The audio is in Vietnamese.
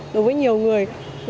đối với nhiều người